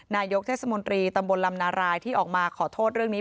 นายกเทศมนตรีตำบลลำนารายที่ออกมาขอโทษเรื่องนี้